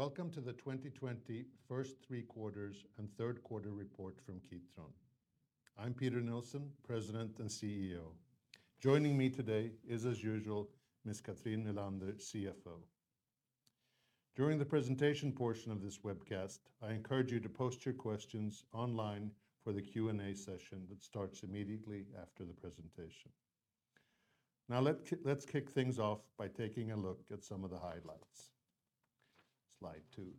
Welcome to the 2020 first three quarters and third quarter report from Kitron. I'm Peter Nilsson, President and CEO. Joining me today is, as usual, Ms. Cathrin Nylander, CFO. During the presentation portion of this webcast, I encourage you to post your questions online for the Q&A session that starts immediately after the presentation. Let's kick things off by taking a look at some of the highlights. Slide two,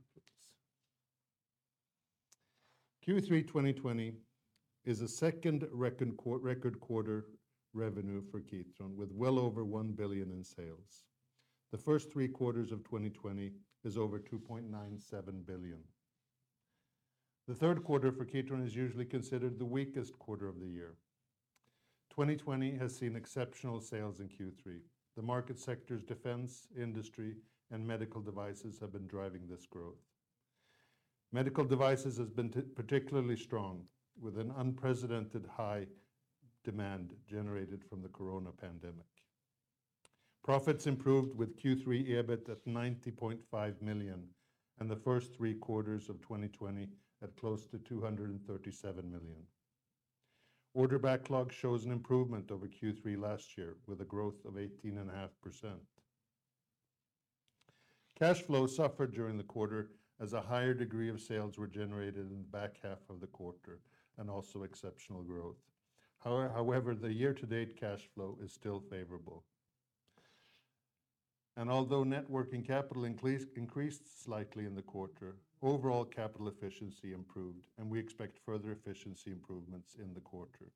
please. Q3 2020 is a second record quarter revenue for Kitron, with well over 1 billion in sales. The first three quarters of 2020 is over 2.97 billion. The third quarter for Kitron is usually considered the weakest quarter of the year. 2020 has seen exceptional sales in Q3. The market sectors, defense, Industry, and Medical Devices have been driving this growth. Medical Devices has been particularly strong, with an unprecedented high demand generated from the coronavirus pandemic. Profits improved with Q3 EBIT at 90.5 million, and the first three quarters of 2020 at close to 237 million. Order backlog shows an improvement over Q3 last year, with a growth of 18.5%. Cash flow suffered during the quarter as a higher degree of sales were generated in the back half of the quarter, and also exceptional growth. However, the year-to-date cash flow is still favorable. Although net working capital increased slightly in the quarter, overall capital efficiency improved, and we expect further efficiency improvements in the quarter.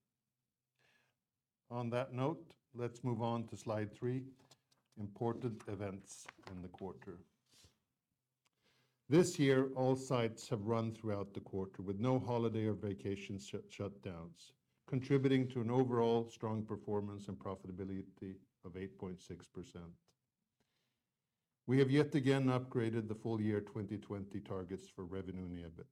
On that note, let's move on to slide three, important events in the quarter. This year, all sites have run throughout the quarter with no holiday or vacation shutdowns, contributing to an overall strong performance and profitability of 8.6%. We have yet again upgraded the full year 2020 targets for revenue and EBIT.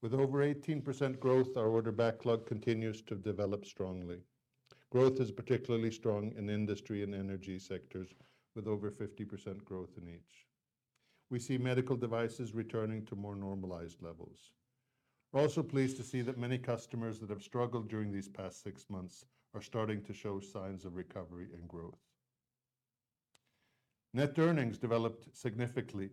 With over 18% growth, our order backlog continues to develop strongly. Growth is particularly strong in Industry and Energy sectors, with over 50% growth in each. We see Medical Devices returning to more normalized levels. We're also pleased to see that many customers that have struggled during these past six months are starting to show signs of recovery and growth. Net earnings developed significantly,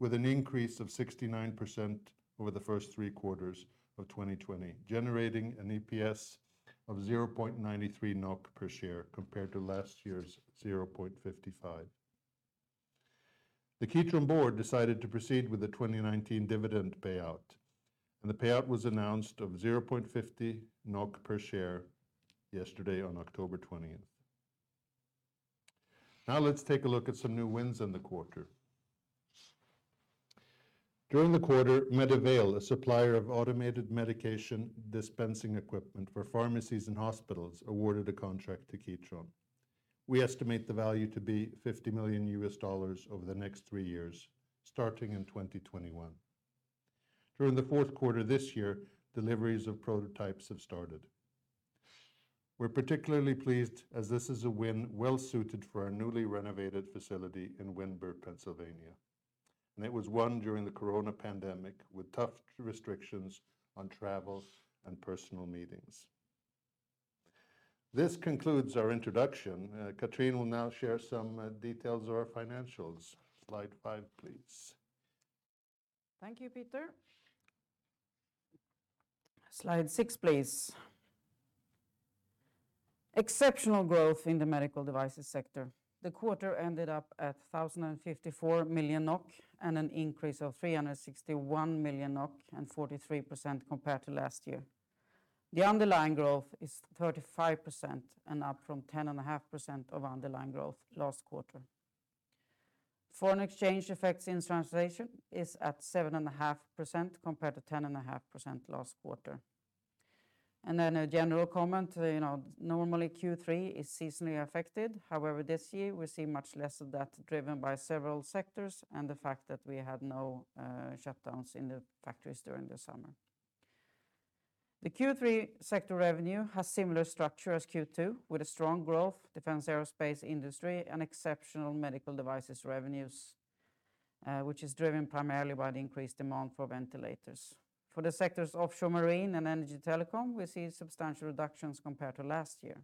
with an increase of 69% over the first three quarters of 2020, generating an EPS of 0.93 NOK per share compared to last year's 0.55 NOK. The Kitron board decided to proceed with the 2019 dividend payout, and the payout was announced of 0.50 NOK per share yesterday on October 20th. Now let's take a look at some new wins in the quarter. During the quarter, MedAvail, a supplier of automated medication dispensing equipment for pharmacies and hospitals, awarded a contract to Kitron. We estimate the value to be $50 million over the next three years, starting in 2021. During the fourth quarter this year, deliveries of prototypes have started. We're particularly pleased as this is a win well-suited for our newly renovated facility in Windber, Pennsylvania, and it was won during the coronavirus pandemic with tough restrictions on travel and personal meetings. This concludes our introduction. Cathrin will now share some details of our financials. Slide five, please. Thank you, Peter. Slide six, please. Exceptional growth in the Medical Devices sector. The quarter ended up at 1,054 million NOK, an increase of 361 million NOK and 43% compared to last year. The underlying growth is 35% and up from 10.5% of underlying growth last quarter. Foreign exchange effects in translation is at 7.5% compared to 10.5% last quarter. A general comment, normally Q3 is seasonally affected. However, this year we see much less of that driven by several sectors and the fact that we had no shutdowns in the factories during the summer. The Q3 sector revenue has similar structure as Q2, with a strong growth, defense aerospace industry, and exceptional Medical Devices revenues, which is driven primarily by the increased demand for ventilators. For the sectors Offshore/Marine and Energy/Telecoms, we see substantial reductions compared to last year.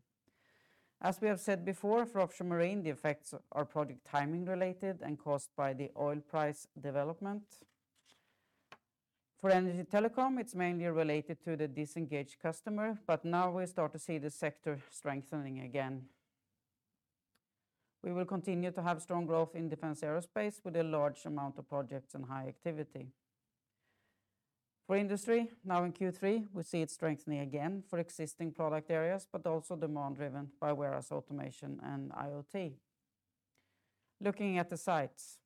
As we have said before, for Offshore/Marine, the effects are project timing related and caused by the oil price development. For Energy/Telecoms, it's mainly related to the disengaged customer. Now we start to see the sector strengthening again. We will continue to have strong growth in defense aerospace with a large amount of projects and high activity. For Industry, now in Q3, we see it strengthening again for existing product areas. Also demand driven by warehouse automation and IoT. Looking at the sites.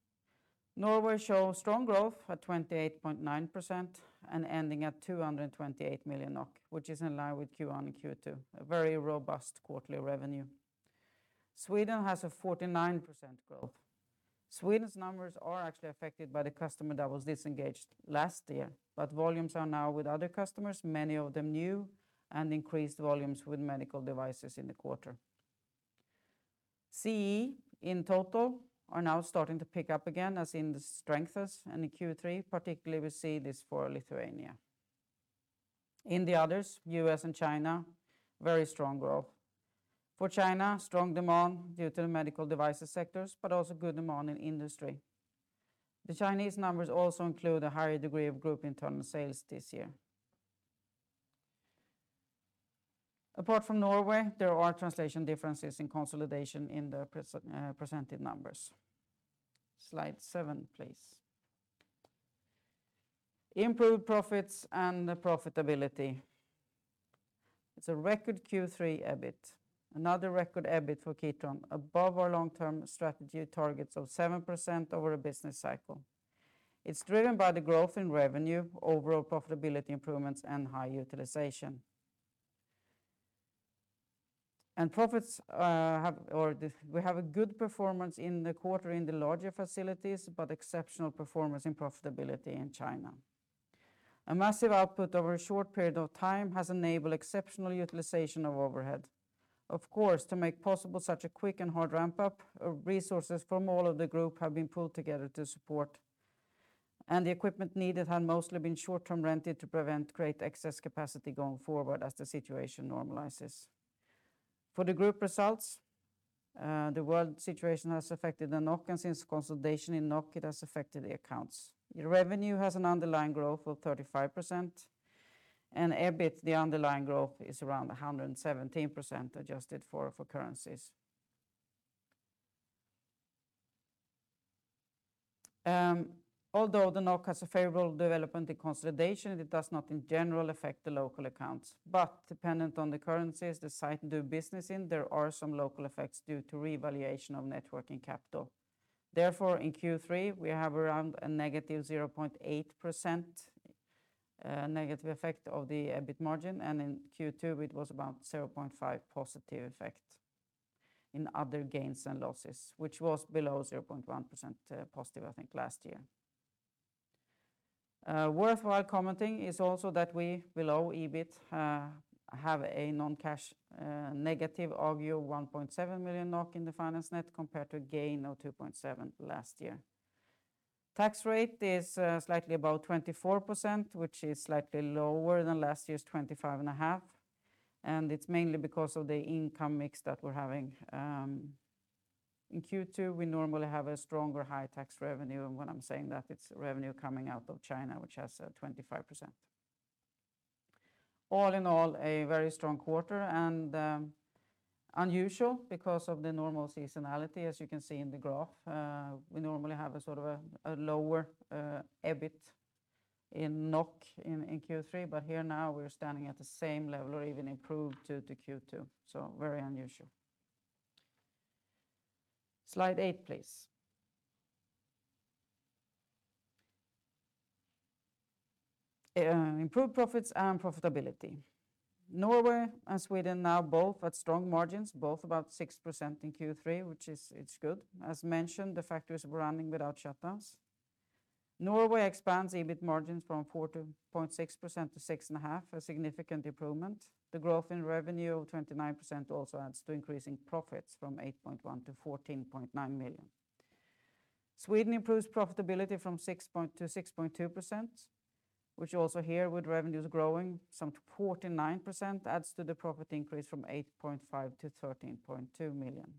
Norway show strong growth at 28.9% and ending at 228 million NOK, which is in line with Q1 and Q2. A very robust quarterly revenue. Sweden has a 49% growth. Sweden's numbers are actually affected by the customer that was disengaged last year. Volumes are now with other customers, many of them new, and increased volumes with Medical Devices in the quarter. CEE in total are now starting to pick up again, as in the strengths and in Q3 particularly, we see this for Lithuania. In the others, U.S. and China, very strong growth. For China, strong demand due to the Medical Devices sectors, but also good demand in industry. The Chinese numbers also include a higher degree of group internal sales this year. Apart from Norway, there are translation differences in consolidation in the presented numbers. Slide seven, please. Improved profits and profitability. It's a record Q3 EBIT. Another record EBIT for Kitron, above our long-term strategy targets of 7% over a business cycle. It's driven by the growth in revenue, overall profitability improvements, and high utilization. We have a good performance in the quarter in the larger facilities, but exceptional performance and profitability in China. A massive output over a short period of time has enabled exceptional utilization of overhead. Of course, to make possible such a quick and hard ramp-up, resources from all of the group have been pulled together to support, and the equipment needed had mostly been short-term rented to prevent great excess capacity going forward as the situation normalizes. For the group results, the world situation has affected the NOK since consolidation in NOK. It has affected the accounts. Revenue has an underlying growth of 35%, and EBIT, the underlying growth is around 117% adjusted for currencies. Although the NOK has a favorable development in consolidation, it does not in general affect the local accounts. Dependent on the currencies the site do business in, there are some local effects due to revaluation of net working capital. Therefore, in Q3, we have around a negative 0.8% negative effect of the EBIT margin, and in Q2, it was about 0.5 positive effect in other gains and losses, which was below 0.1% positive, I think, last year. Worthwhile commenting is also that we below EBIT, have a non-cash negative of 1.7 million NOK in the finance net compared to a gain of 2.7 last year. Tax rate is slightly above 24%, which is slightly lower than last year's 25.5, and it's mainly because of the income mix that we're having. In Q2, we normally have a stronger high tax revenue, and when I'm saying that, it's revenue coming out of China, which has a 25%. All in all, a very strong quarter and, unusual because of the normal seasonality, as you can see in the graph. We normally have a lower EBIT in NOK in Q3. Here now we're standing at the same level or even improved to Q2. Slide eight, please. Improved profits and profitability. Norway and Sweden now both at strong margins, both about 6% in Q3, which is good. As mentioned, the factories were running without shutdowns. Norway expands EBIT margins from 4.6%-6.5%, a significant improvement. The growth in revenue of 29% also adds to increasing profits from 8.1 million-14.9 million. Sweden improves profitability from 6%-6.2%, which also here with revenues growing some 49% adds to the profit increase from 8.5 million-13.2 million.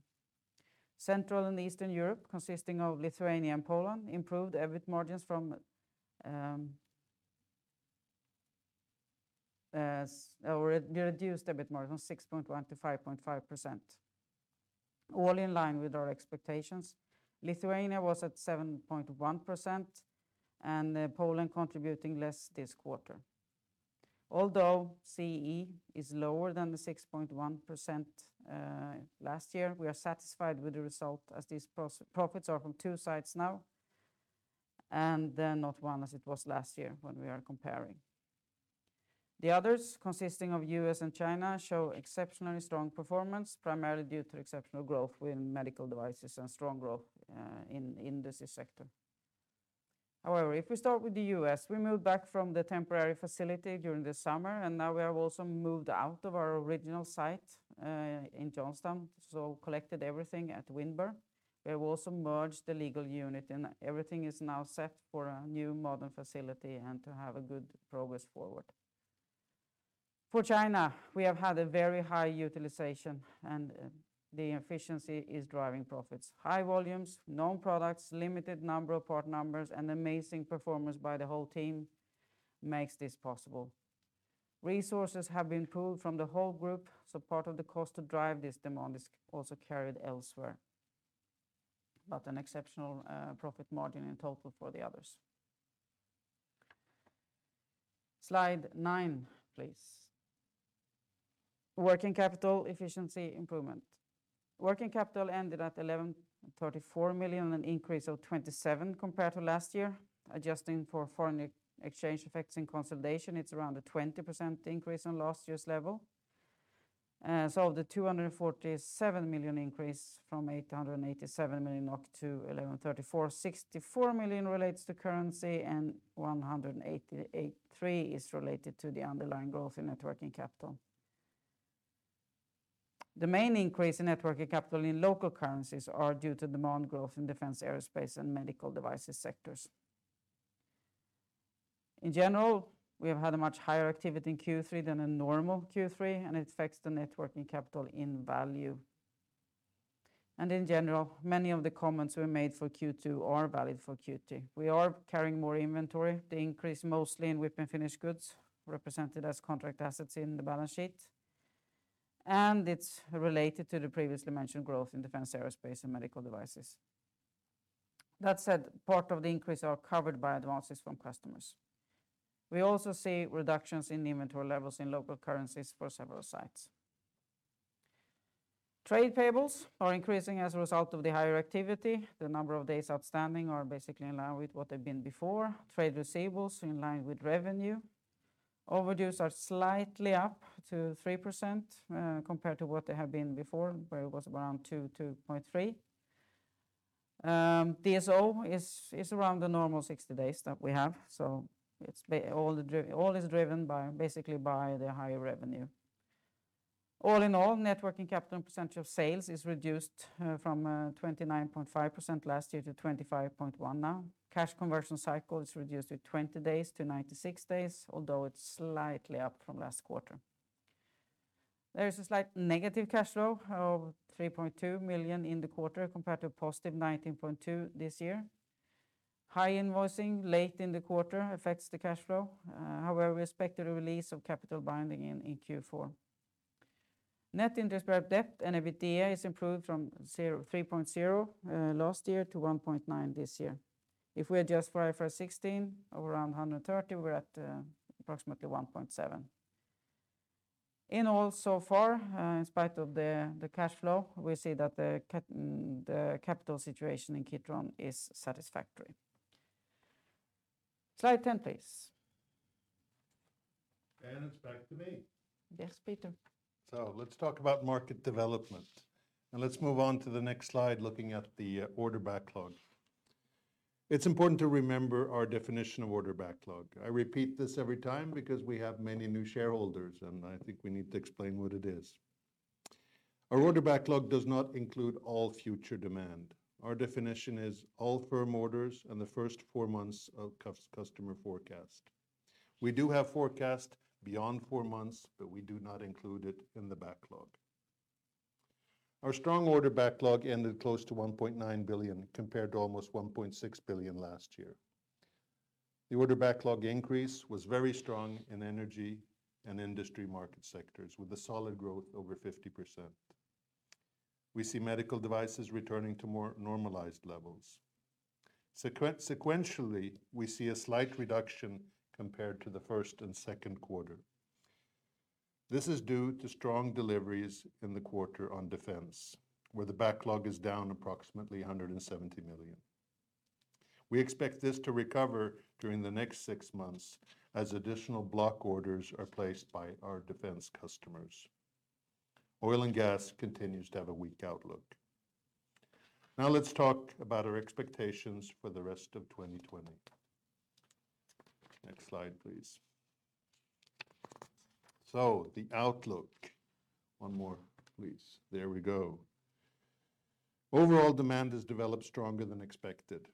Central and Eastern Europe, consisting of Lithuania and Poland, reduced EBIT margin from 6.1%-5.5%. All in line with our expectations. Lithuania was at 7.1% and Poland contributing less this quarter. Although CEE is lower than the 6.1% last year, we are satisfied with the result as these profits are from two sides now and not one as it was last year when we are comparing. The others consisting of U.S. and China show exceptionally strong performance, primarily due to exceptional growth in medical devices and strong growth in industry sector. However, if we start with the U.S., we moved back from the temporary facility during the summer, and now we have also moved out of our original site in Johnstown, so collected everything at Windber. We have also merged the legal unit, and everything is now set for a new modern facility and to have a good progress forward. For China, we have had a very high utilization, and the efficiency is driving profits. High volumes, known products, limited number of part numbers, and amazing performance by the whole team makes this possible. Resources have been pulled from the whole group, part of the cost to drive this demand is also carried elsewhere. An exceptional profit margin in total for the others. Slide nine, please. Working capital efficiency improvement. Working capital ended at 1,134 million, an increase of 27% compared to last year. Adjusting for foreign exchange effects in consolidation, it's around a 20% increase on last year's level. The 247 million increase from 887 million to 1,134 million, 64 million relates to currency and 183 million is related to the underlying growth in net working capital. The main increase in net working capital in local currencies are due to demand growth in defense aerospace and Medical Devices sectors. In general, we have had a much higher activity in Q3 than a normal Q3, and it affects the net working capital in value. In general, many of the comments we made for Q2 are valid for Q3. We are carrying more inventory, the increase mostly in WIP and finished goods, represented as contract assets in the balance sheet. It's related to the previously mentioned growth in defense, aerospace, and Medical Devices. That said, part of the increase are covered by advances from customers. We also see reductions in the inventory levels in local currencies for several sites. Trade payables are increasing as a result of the higher activity. The number of days outstanding are basically in line with what they've been before. Trade receivables in line with revenue. Overdues are slightly up to 3%, compared to what they have been before, where it was around two, 2.3. DSO is around the normal 60 days that we have. All is driven basically by the higher revenue. All in all, net working capital percentage of sales is reduced from 29.5% last year to 25.1% now. Cash conversion cycle is reduced to 20 days to 96 days, although it's slightly up from last quarter. There is a slight negative cash flow of 3.2 million in the quarter compared to a positive 19.2 this year. High invoicing late in the quarter affects the cash flow. However, we expect the release of capital binding in Q4. Net Interest-Bearing Debt and EBITDA is improved from 3.0 last year to 1.9 this year. If we adjust for IFRS 16 of around 130, we're at approximately 1.7. In all so far, in spite of the cash flow, we see that the capital situation in Kitron is satisfactory. Slide 10, please. It's back to me. Yes, Peter. Let's talk about market development, and let's move on to the next slide looking at the order backlog. It's important to remember our definition of order backlog. I repeat this every time because we have many new shareholders, and I think we need to explain what it is. Our order backlog does not include all future demand. Our definition is all firm orders and the first four months of customer forecast. We do have forecast beyond four months, but we do not include it in the backlog. Our strong order backlog ended close to 1.9 billion, compared to almost 1.6 billion last year. The order backlog increase was very strong in Energy and Industry market sectors, with a solid growth over 50%. We see Medical Devices returning to more normalized levels. Sequentially, we see a slight reduction compared to the first and second quarter. This is due to strong deliveries in the quarter on defense, where the backlog is down approximately 170 million. We expect this to recover during the next six months as additional block orders are placed by our defense customers. Oil and gas continues to have a weak outlook. Let's talk about our expectations for the rest of 2020. Next slide, please. The outlook. One more, please. There we go. Overall demand has developed stronger than expected.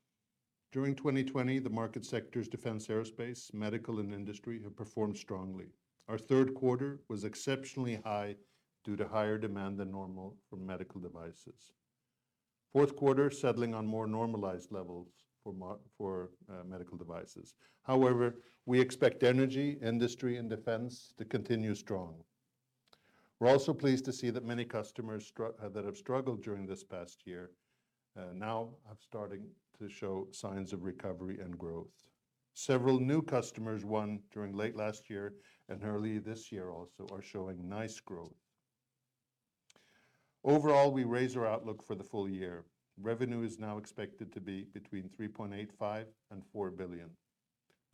During 2020, the market sectors defense, aerospace, Medical, and Industry have performed strongly. Our third quarter was exceptionally high due to higher demand than normal for Medical Devices. Fourth quarter settling on more normalized levels for Medical Devices. We expect Energy, Industry, and defense to continue strong. We're also pleased to see that many customers that have struggled during this past year now are starting to show signs of recovery and growth. Several new customers won during late last year and early this year also are showing nice growth. Overall, we raise our outlook for the full year. Revenue is now expected to be between 3.85 billion and 4 billion.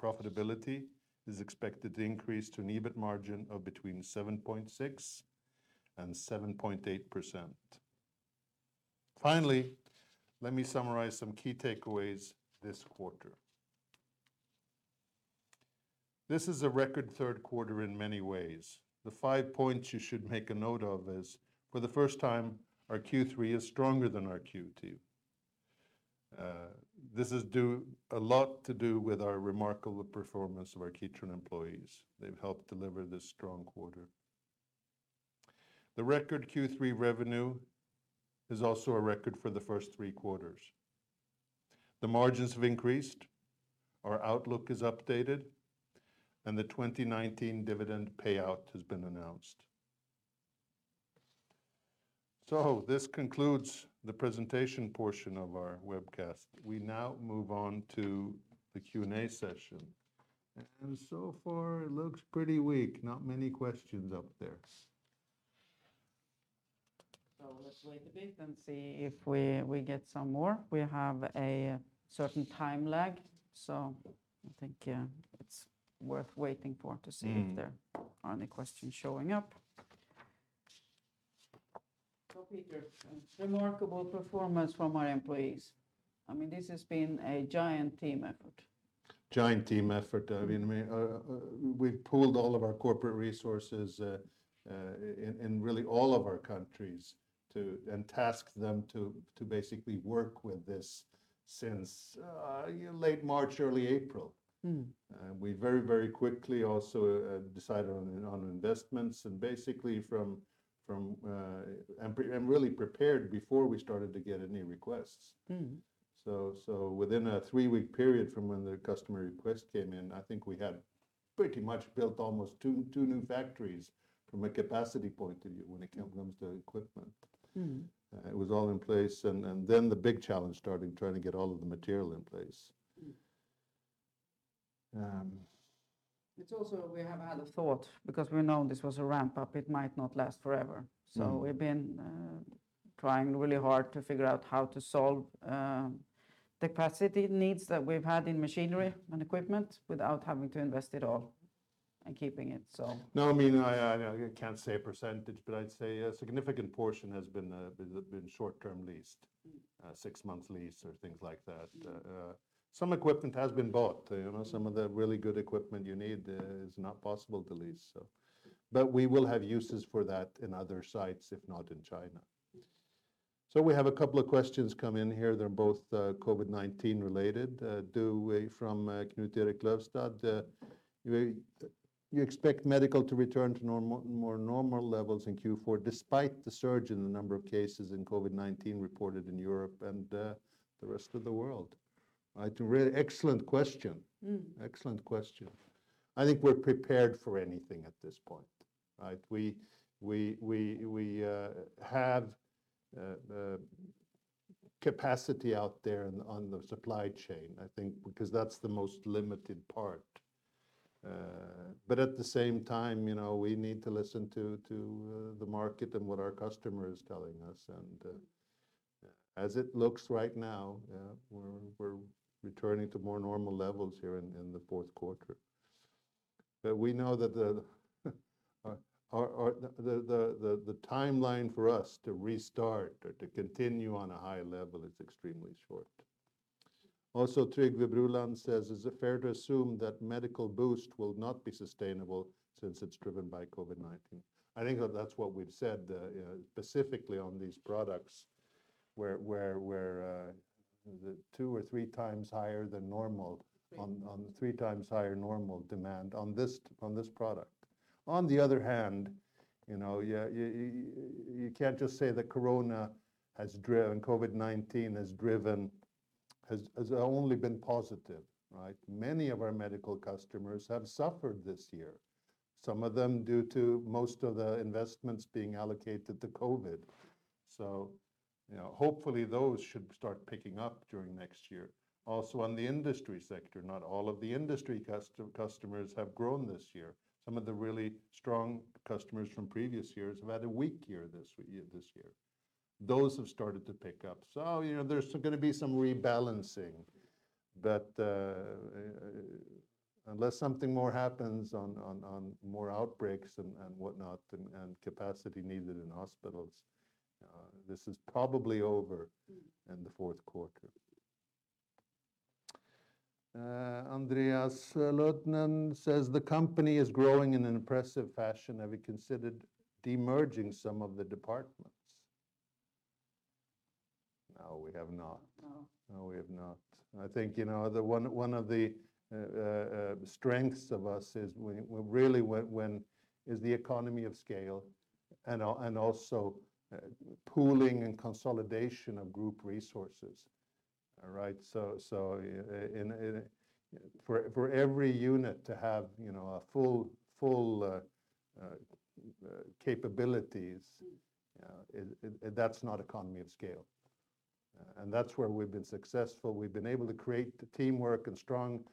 Profitability is expected to increase to an EBIT margin of between 7.6% and 7.8%. Finally, let me summarize some key takeaways this quarter. This is a record third quarter in many ways. The five points you should make a note of is for the first time, our Q3 is stronger than our Q2. This is a lot to do with our remarkable performance of our Kitron employees. They've helped deliver this strong quarter. The record Q3 revenue is also a record for the first three quarters. The margins have increased, our outlook is updated, and the 2019 dividend payout has been announced. This concludes the presentation portion of our webcast. We now move on to the Q&A session. So far it looks pretty weak. Not many questions up there. Let's wait a bit and see if we get some more. We have a certain time lag, so I think it's worth waiting for to see if there are any questions showing up. Peter, remarkable performance from our employees. This has been a giant team effort. Giant team effort. We've pooled all of our corporate resources in really all of our countries, and tasked them to basically work with this since late March, early April. We very quickly also decided on investments and basically and really prepared before we started to get any requests. Within a three-week period from when the customer request came in, I think we had pretty much built almost two new factories from a capacity point of view when it comes to equipment. It was all in place, and then the big challenge started, trying to get all of the material in place. It's also we have had a thought, because we know this was a ramp-up, it might not last forever. We've been trying really hard to figure out how to solve capacity needs that we've had in machinery and equipment without having to invest at all and keeping it. No, I can't say a percentage, but I'd say a significant portion has been short-term leased, six-month lease or things like that. Some equipment has been bought. Some of the really good equipment you need is not possible to lease. We will have uses for that in other sites, if not in China. We have a couple of questions come in here. They're both COVID-19 related. From Knut Erik Løvstad, "You expect medical to return to more normal levels in Q4 despite the surge in the number of cases in COVID-19 reported in Europe and the rest of the world?" Right. Excellent question. Excellent question. I think we're prepared for anything at this point. Right. We have capacity out there on the supply chain, I think, because that's the most limited part. At the same time, we need to listen to the market and what our customer is telling us. As it looks right now, we're returning to more normal levels here in the fourth quarter. We know that the timeline for us to restart or to continue on a high level is extremely short. Also, Trygve Bruland says, "Is it fair to assume that medical boost will not be sustainable since it's driven by COVID-19?" I think that that's what we've said, specifically on these products where the two or three times higher than normal. Three on three times higher normal demand on this product. You can't just say that COVID-19 has only been positive. Right? Many of our medical customers have suffered this year. Some of them due to most of the investments being allocated to COVID. Hopefully those should start picking up during next year. Not all of the industry customers have grown this year. Some of the really strong customers from previous years have had a weak year this year. Those have started to pick up. There's going to be some rebalancing. Unless something more happens on more outbreaks and whatnot and capacity needed in hospitals, this is probably over in the fourth quarter. Andreas Løtnen says, "The company is growing in an impressive fashion. Have you considered demerging some of the departments?" No, we have not. No. No, we have not. I think one of the strengths of us is the economy of scale and also pooling and consolidation of group resources. All right? For every unit to have full capabilities- that's not economy of scale. That's where we've been successful. We've been able to create the teamwork and strong,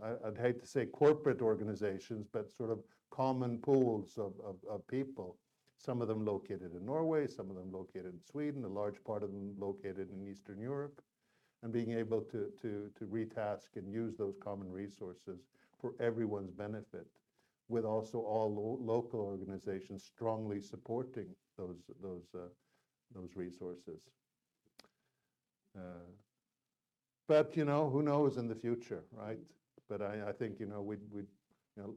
I'd hate to say corporate organizations, but sort of common pools of people. Some of them located in Norway, some of them located in Sweden, a large part of them located in Eastern Europe. Being able to retask and use those common resources for everyone's benefit, with also all local organizations strongly supporting those resources. Who knows in the future, right? I think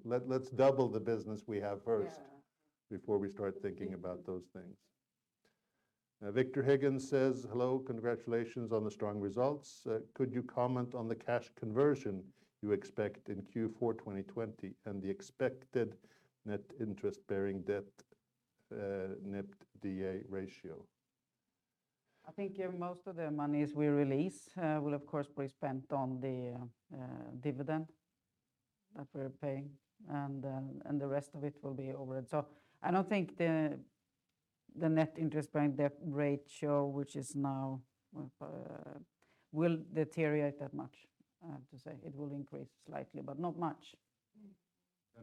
let's double the business we have first. Yeah before we start thinking about those things. Victor Higgins says, "Hello, congratulations on the strong results. Could you comment on the cash conversion you expect in Q4 2020 and the expected net interest-bearing debt, NIBD/A ratio? I think most of the monies we release will of course be spent on the dividend that we're paying, and the rest of it will be overhead. I don't think the Net Interest-Bearing Debt ratio will deteriorate that much, I have to say. It will increase slightly, not much.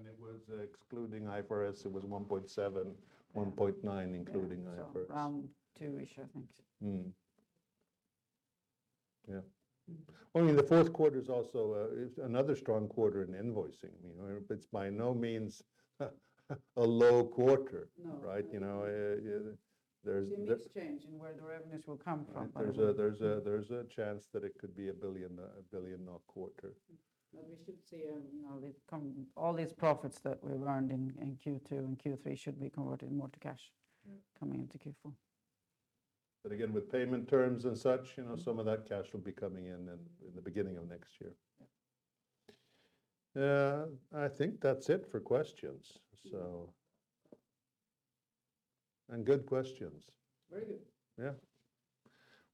It was excluding IFRS, it was 1.7, 1.9 including IFRS. Yeah. Around two-ish, I think. Mm-hmm. Yeah. Well, the fourth quarter is also another strong quarter in invoicing. It's by no means a low quarter. No. Right? There's a mix change in where the revenues will come from. There's a chance that it could be a 1 billion odd quarter. We should see all these profits that we've earned in Q2 and Q3 should be converted more to cash coming into Q4. Again, with payment terms and such, some of that cash will be coming in in the beginning of next year. Yeah. I think that's it for questions. Good questions. Very good. Yeah.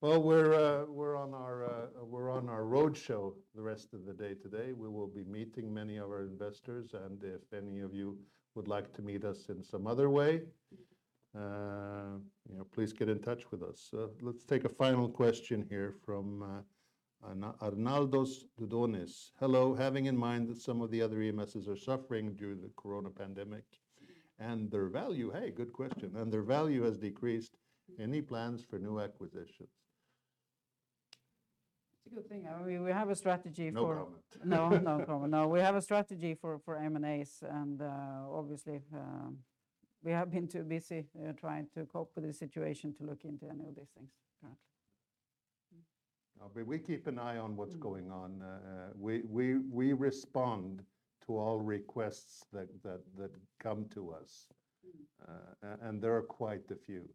Well, we're on our road show the rest of the day today. We will be meeting many of our investors, and if any of you would like to meet us in some other way, please get in touch with us. Let's take a final question here from Arnoldas Dudonis. "Hello. Having in mind that some of the other EMSs are suffering during the COVID-19 pandemic, and their value" Hey, good question. "Their value has decreased. Any plans for new acquisitions? It's a good thing. We have a strategy. No comment. No comment. No. We have a strategy for M&As, and obviously, we have been too busy trying to cope with the situation to look into any of these things currently. We keep an eye on what's going on. We respond to all requests that come to us. There are quite a few.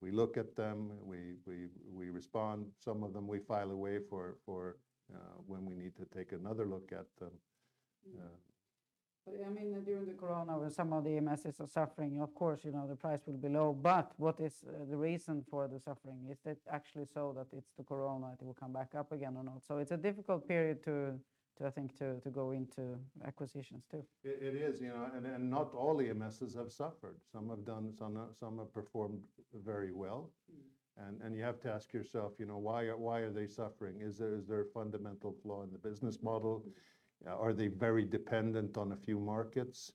We look at them, we respond. Some of them we file away for when we need to take another look at them. Yeah. During the corona, when some of the EMSs are suffering, of course, the price will be low. What is the reason for the suffering? Is that actually so that it's the corona, it will come back up again or not? It's a difficult period, I think, to go into acquisitions, too. It is. Not all EMSs have suffered. Some have performed very well. You have to ask yourself, why are they suffering? Is there a fundamental flaw in the business model? Are they very dependent on a few markets?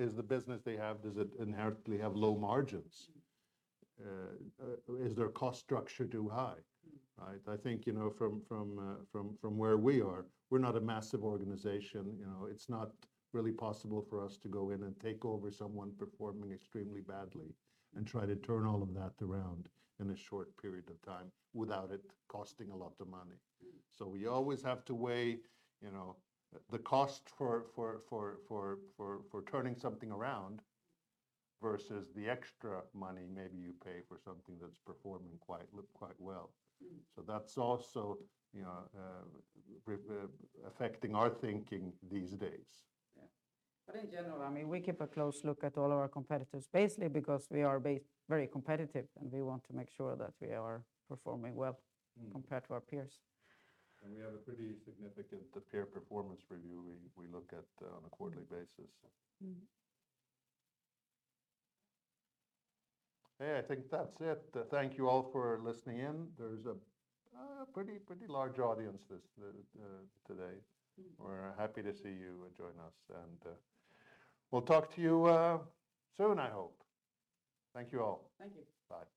Is the business they have, does it inherently have low margins? Is their cost structure too high? Right? I think, from where we are, we're not a massive organization. It's not really possible for us to go in and take over someone performing extremely badly and try to turn all of that around in a short period of time without it costing a lot of money. We always have to weigh the cost for turning something around versus the extra money maybe you pay for something that's performing quite well. That's also affecting our thinking these days. Yeah. In general, we keep a close look at all our competitors, basically because we are very competitive, and we want to make sure that we are performing well compared to our peers. We have a pretty significant peer performance review we look at on a quarterly basis. Hey, I think that's it. Thank you all for listening in. There's a pretty large audience today. We're happy to see you join us, and we'll talk to you soon, I hope. Thank you all. Thank you. Bye.